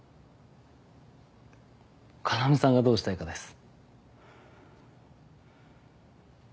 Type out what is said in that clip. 要さんがどうしたいかです。